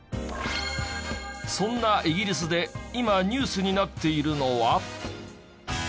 そんなイギリスで今ニュースになっているのは。